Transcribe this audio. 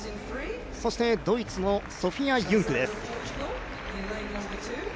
そしてドイツのソフィア・ユンクです。